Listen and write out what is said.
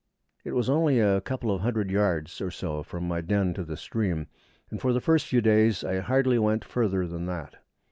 It was only a couple of hundred yards or so from my den to the stream, and for the first few days I hardly went further than that.